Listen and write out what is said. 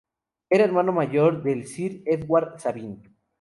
Era hermano mayor de Sir Edward Sabine.